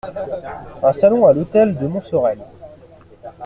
Un salon à l’hôtel de Montsorel.